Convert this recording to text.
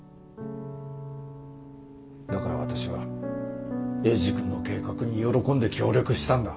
だから私はエイジ君の計画に喜んで協力したんだ。